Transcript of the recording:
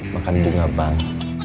makan bunga bank